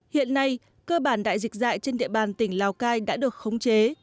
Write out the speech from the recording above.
hiện nay cơ bản đại dịch dại trên địa bàn tỉnh lào cai đã được khống chế